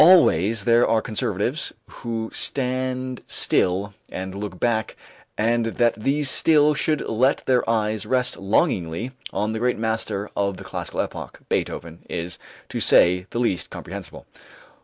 Always there are conservatives who stand still and look back; and that these still should let their eyes rest longingly on the great master of the classical epoch, Beethoven, is, to say the least, comprehensible.